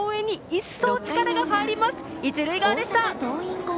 一塁側でした。